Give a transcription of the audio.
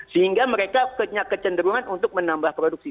sehingga mereka kecenderungan untuk menambah produksi